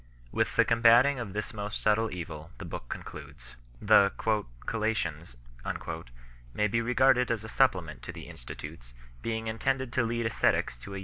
With the combating of this most subtle evil the book concludes. The " Collations " may be regarded as a supplement to the Institutes, being intended to lead ascetics to a yet 1 Instil, iv.